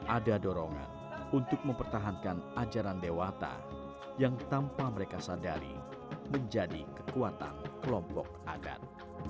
ada dorongan untuk mempertahankan ajaran dewata yang tanpa mereka sadari menjadi kekuatan kelompok adat